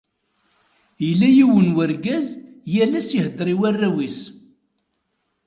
Yella yiwen n urgaz, yal ass ihedder i warraw-is.